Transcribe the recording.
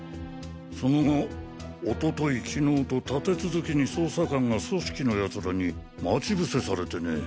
その後おととい昨日と立て続けに捜査官が組織の奴らに待ち伏せされてねぇ。